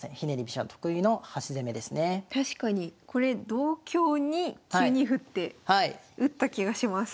同香に９二歩って打った気がします。